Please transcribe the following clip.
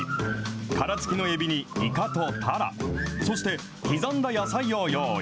殻付きのエビに、イカとタラ、そして刻んだ野菜を用意。